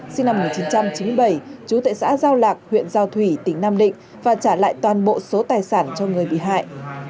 sinh năm một nghìn chín trăm chín mươi bảy chú tệ xã giao lạc huyện giao thủy tỉnh nam định và trả lại toàn bộ số tài sản cho người bị hại